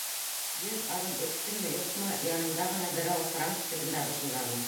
Йөҙ аҙым үттемме-юҡмы, янымда ғына берәү франк телендә бышылданы: